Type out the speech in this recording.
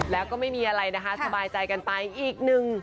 แล้วก็ไม่มีอะไรนะคะสบายใจกันไปอีกหนึ่ง